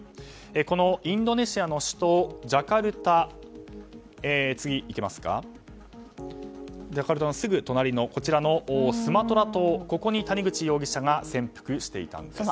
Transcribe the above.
このインドネシアの首都ジャカルタのすぐ隣のこちらのスマトラ島、ここに谷口容疑者が潜伏していたんです。